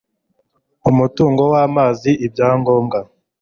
umutungo w amazi ibyangombwa